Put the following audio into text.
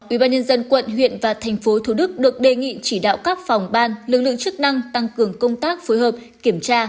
ủy ban nhân dân quận huyện và tp hcm được đề nghị chỉ đạo các phòng ban lực lượng chức năng tăng cường công tác phối hợp kiểm tra